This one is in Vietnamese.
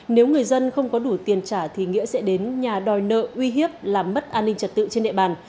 nếu người dân không có đủ tiền trả thì nghĩa sẽ đến nhà đòi nợ uy hiếp làm mất an ninh trật tự trên địa bàn